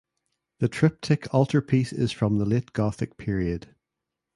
The triptych altarpiece is from the Late Gothic period.